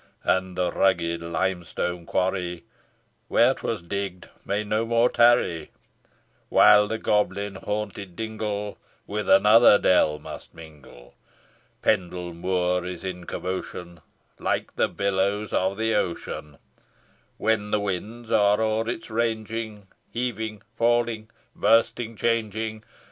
And the rugged limestone quarry, Where 'twas digg'd may no more tarry; While the goblin haunted dingle, With another dell must mingle. Pendle Moor is in commotion, Like the billows of the ocean, When the winds are o'er it ranging, Heaving, falling, bursting, changing.